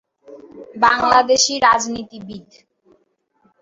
বাংলাদেশী রাজনীতিবিদ।